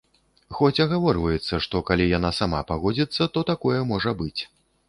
Хоць агаворваецца, што калі яна сама пагодзіцца, то такое можа быць.